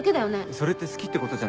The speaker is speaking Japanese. それって好きってことじゃ？